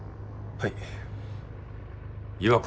はい。